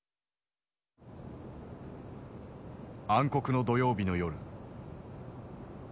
暗黒の土曜日の夜。